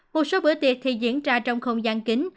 một số bữa tiệc thì diễn ra trong không gian kính